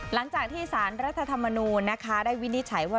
หลังจากที่สารรัฐธรรมนูญนะคะได้วินิจฉัยว่า